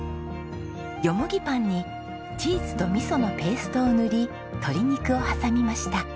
よもぎパンにチーズと味噌のペーストを塗り鶏肉を挟みました。